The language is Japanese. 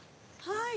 はい。